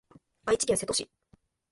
愛知県瀬戸市